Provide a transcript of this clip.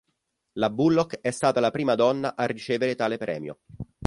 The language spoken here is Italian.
La Bullock è stata la prima donna a ricevere tale premio.